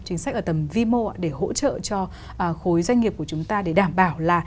chính sách ở tầm vi mô để hỗ trợ cho khối doanh nghiệp của chúng ta để đảm bảo là